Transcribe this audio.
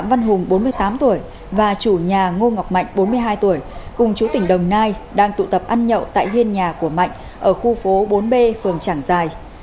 nguyễn văn hùng bốn mươi tám tuổi và chủ nhà ngô ngọc mạnh bốn mươi hai tuổi cùng chú tỉnh đồng nai đang tụ tập ăn nhậu tại hiên nhà của mạnh ở khu phố bốn b phường trảng giải